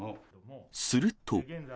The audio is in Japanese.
すると。